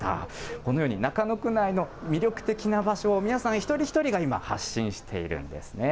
このように中野区内の魅力的な場所を皆さん一人一人が今、発信しているんですね。